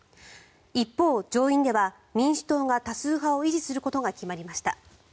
一方、上院では民主党が多数派を維持することが決まりました。